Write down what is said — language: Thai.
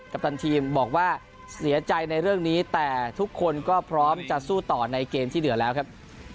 ปตันทีมบอกว่าเสียใจในเรื่องนี้แต่ทุกคนก็พร้อมจะสู้ต่อในเกมที่เหลือแล้วครับ